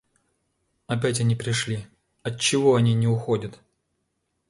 Опять они пришли, отчего они не уходят?..